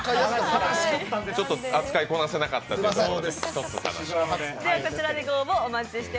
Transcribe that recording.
扱いこなせなかったということで。